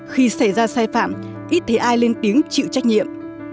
khi xảy ra sai phạm ít thấy ai lên tiếng chịu trách nhiệm